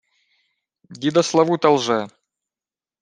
— Дідо Славута лже.